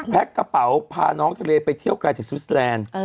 แพ็คกระเป๋าพาน้องทะเลไปเที่ยวกลายที่สวิสแลนด์